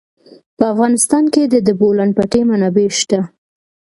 په افغانستان کې د د بولان پټي منابع شته.